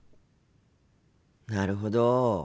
なるほど。